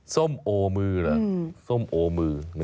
ส้มโอมือมันจะยังไง